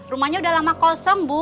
rumahnya udah lama kosong bu